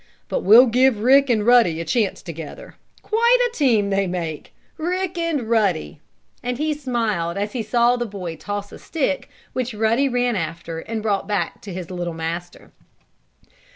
"But we'll give Rick and Ruddy a chance together. Quite a team they make Rick and Ruddy!" and he smiled as he saw the boy toss a stick, which Ruddy ran after and brought back to his little master.